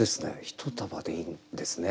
「一束」でいいんですね。